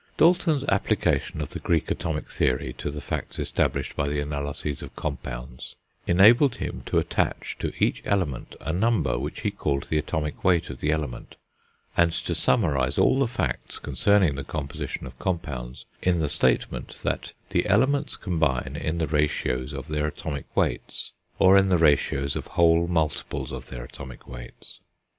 Dalton's application of the Greek atomic theory to the facts established by the analyses of compounds enabled him to attach to each element a number which he called the atomic weight of the element, and to summarise all the facts concerning the compositions of compounds in the statement, that the elements combine in the ratios of their atomic weights, or in the ratios of whole multiples of their atomic weights.